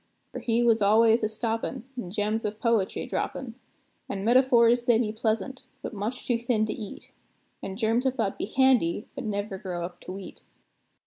For he was al'ays a stoppin', and gems of poetry droppin'; And metaphors, they be pleasant, but much too thin to eat; And germs of thought be handy, but never grow up to wheat.